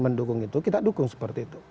mendukung itu kita dukung seperti itu